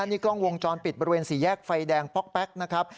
นี่กล้องวงจรปิดบริเวณสี่แยกไฟแดงป๊อกแป๊กนะครับ